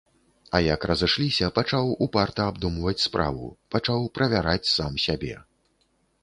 А як разышліся, пачаў упарта абдумваць справу, пачаў правяраць сам сябе.